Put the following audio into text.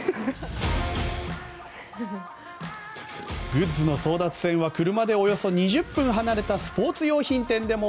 グッズの争奪戦は車でおよそ２０分離れたスポーツ用品店でも。